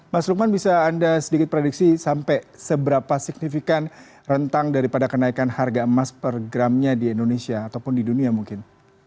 mas lukman bisa anda sedikit prediksi sampai seberapa signifikan rentang daripada kenaikan harga emas per gramnya di indonesia ataupun di dunia mungkin